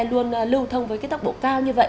luôn lưu thông với cái tốc độ cao như vậy